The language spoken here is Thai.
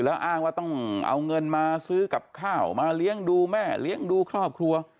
แล้วอ้างว่าต้องเอาเงินมาซื้อกับข้าวมาเลี้ยงดูแม่เลี้ยงดูครอบครัว